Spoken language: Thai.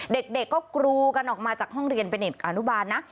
เด็กก็กรูกันออกมาจากห้องเรียนเป็นเด็กอนุบาลนะ